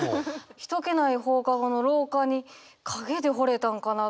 人気ない放課後の廊下に影でほれたんかな？